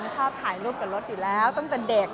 ชอบถ่ายรูปกับรถอยู่แล้วตั้งแต่เด็ก